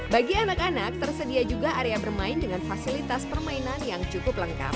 bagi anak anak tersedia juga area bermain dengan fasilitas permainan yang cukup lengkap